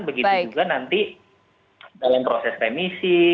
begitu juga nanti dalam proses remisi